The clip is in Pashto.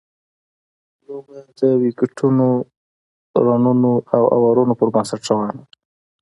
لوبه د ویکټونو، رنونو او اورونو پر بنسټ روانه ده.